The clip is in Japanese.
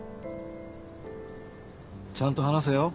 ちゃんと話せよ。